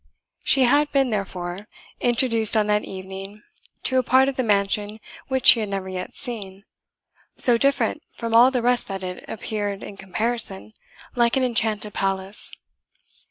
She had been, therefore, introduced on that evening to a part of the mansion which she had never yet seen, so different from all the rest that it appeared, in comparison, like an enchanted palace.